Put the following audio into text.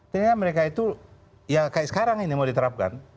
ternyata mereka itu ya kayak sekarang ini mau diterapkan